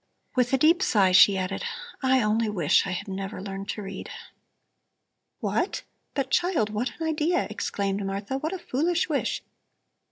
With a deep sigh she added: "I only wish I had never learned to read." "What! But child, what an idea," exclaimed Martha, "what a foolish wish!